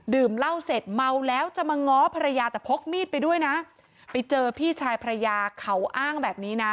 เหล้าเสร็จเมาแล้วจะมาง้อภรรยาแต่พกมีดไปด้วยนะไปเจอพี่ชายภรรยาเขาอ้างแบบนี้นะ